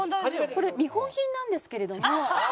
これ見本品なんですけれども。